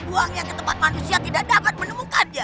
buangnya ke tempat manusia tidak dapat menemukannya